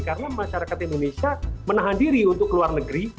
karena masyarakat indonesia menahan diri untuk keluar negeri